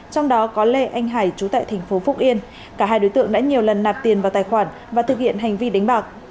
trong đó có lê anh hải chú tại thành phố phúc yên cả hai đối tượng đã nhiều lần nạp tiền vào tài khoản và thực hiện hành vi đánh bạc